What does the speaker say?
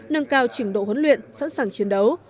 nâng cao trình độ huấn luyện sẵn sàng chiến đấu